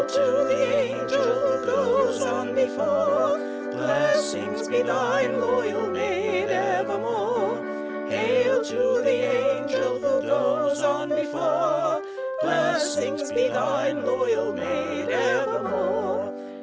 _ Hail to the an gel who goes on be fore, Blessings be thine, loyal maid, ev er more! Hail to the an gel who goes on be fore, Blessings be thine, lo yal maid, ev er more.